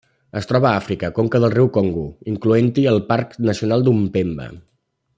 Es troba a Àfrica: conca del riu Congo, incloent-hi el Parc Nacional d'Upemba.